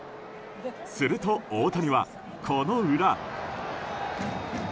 すると、大谷はこの裏。